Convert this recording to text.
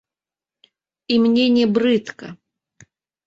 І мне не брыдка.